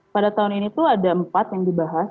pada tahun ini tuh ada empat yang dibahas